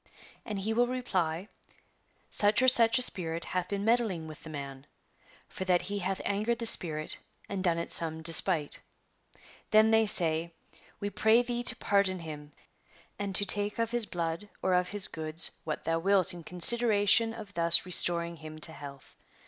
And he will reply :" Such or such a spirit hath been meddling with the man,'' for that he hath angered the spirit and done it some despite." Then they say :" We pray thee to pardon him, and to take of his blood or of his goods what thou wilt in consideration of thus restoring him to health."